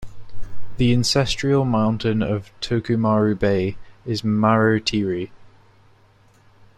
The ancestral mountain of Tokomaru Bay is Marotiri.